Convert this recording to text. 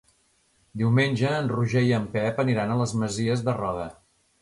Diumenge en Roger i en Pep aniran a les Masies de Roda.